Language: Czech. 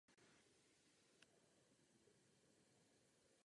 Záležitost Muhammada Táhira Tábita Samúma byla znovu projednávána minulý týden.